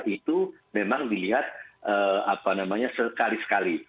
itu memang dilihat sekali sekali